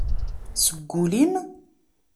Seg ul-im?